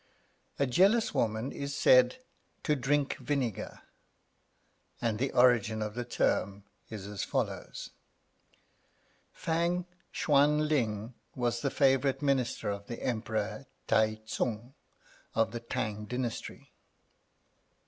A jealous woman is said to drink vinegar, and the origin of the term is as follows: Fang Hsuan ling was the favourite Minister of the Emperor T'ai Tsung, of the T'ang dynasty.